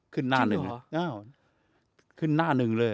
ขึ้นหน้าหนึ่งเลย